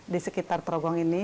di sekitar trogong ini